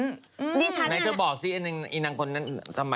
ดิฉันลงนั้นไหนเธอบอกสิไอนางคนนั้นสมัยนะ